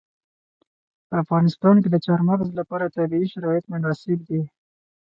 په افغانستان کې د چار مغز لپاره طبیعي شرایط مناسب دي.